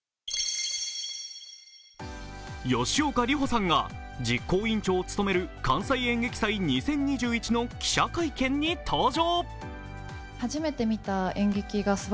吉岡里帆さんが実行委員長を務める「関西演劇祭２０２１」の記者会見に登場。